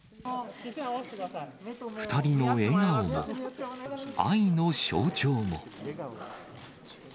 ２人の笑顔も、愛の象徴も。